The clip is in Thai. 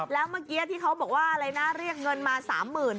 แล้วเมื่อกี้ที่เขาบอกว่าอะไรนะเรียกเงินมา๓๐๐๐บาท